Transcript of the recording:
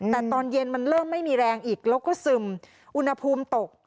แต่ตอนเย็นมันเริ่มไม่มีแรงอีกแล้วก็ซึมอุณหภูมิตก